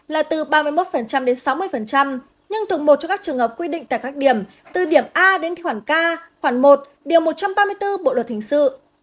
là từ ba mươi một đến sáu mươi nhưng thuộc một cho các trường hợp quy định tại các điểm từ điểm a đến khoảng k khoảng một điều một trăm ba mươi bốn bộ luật hình sự